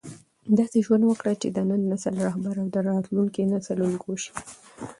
داسې ژوند وکړه چې د نن نسل رهبر او د راتلونکي نسل الګو شې.